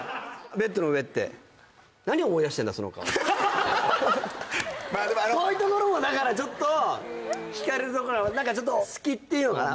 ベッドの上ってまあでもこういうところもだからちょっと何かちょっと隙っていうのかな？